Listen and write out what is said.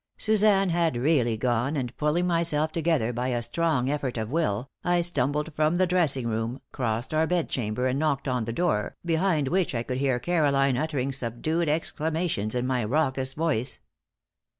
Suzanne had really gone, and, pulling myself together by a strong effort of will, I stumbled from the dressing room, crossed our bed chamber and knocked on the door, behind which I could hear Caroline uttering subdued exclamations in my raucous voice.